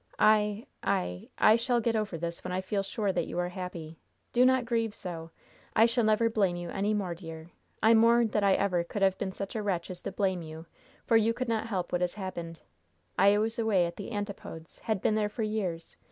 I I I shall get over this when I feel sure that you are happy. Do not grieve so! I shall never blame you any more, dear! I mourn that I ever could have been such a wretch as to blame you, for you could not help what has happened. I was away at the antipodes had been there for years.